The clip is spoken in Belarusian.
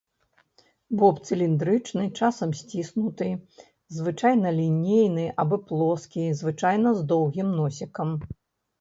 Боб цыліндрычны, часам сціснуты, звычайна лінейны або плоскі, звычайна з доўгім носікам.